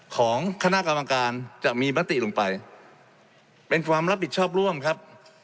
ของคณะกรรมการจะมีมติลงไปเป็นความรับผิดชอบร่วมครับ